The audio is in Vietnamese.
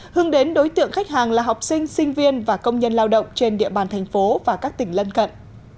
hướng đến đối tượng khách hàng là học sinh sinh viên và công nhân lao động trên địa bàn thành phố và các tỉnh lân cận